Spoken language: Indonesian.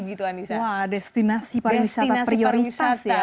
destinasi pariwisata prioritas